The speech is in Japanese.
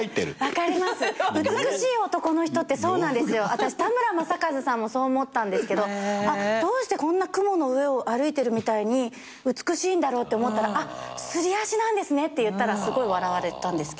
私田村正和さんもそう思ったんですけどどうしてこんな雲の上を歩いてるみたいに美しいんだろうって思ったらすり足なんですねって言ったらすごい笑われたんですけど。